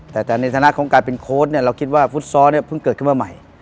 แต่แต่ในฐานะของการเป็นโค้ดเนี่ยเราคิดว่าฟุตซอลเนี่ยเพิ่งเกิดขึ้นมาใหม่